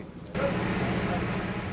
tidak ada yang bisa dibuat lagi